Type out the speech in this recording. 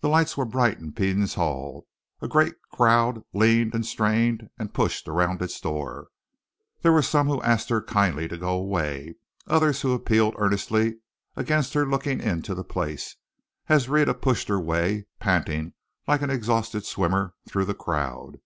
The lights were bright in Peden's hall, a great crowd leaned and strained and pushed around its door. There were some who asked her kindly to go away, others who appealed earnestly against her looking into the place, as Rhetta pushed her way, panting like an exhausted swimmer, through the crowd.